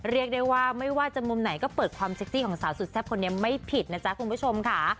เรียกได้ว่าไม่ว่าจะมุมไหนก็เปิดความเซ็กซี่ของสาวสุดแซ่บคนนี้ไม่ผิดนะจ๊ะคุณผู้ชมค่ะ